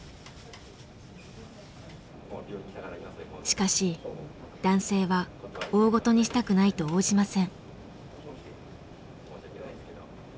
しかし男性は大ごとにしたくないと応じません。